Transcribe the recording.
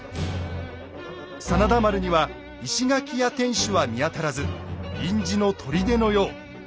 真田丸には石垣や天守は見当たらず臨時の砦のよう。